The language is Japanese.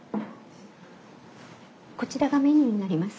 こちらがメニューになります。